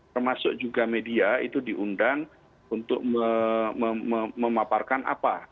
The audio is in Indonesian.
termasuk juga media itu diundang untuk memaparkan apa